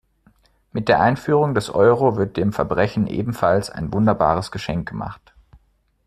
Mit der Einführung des Euro wird dem Verbrechen ebenfalls ein wunderbares Geschenk gemacht.